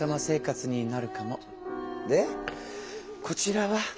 こちらは。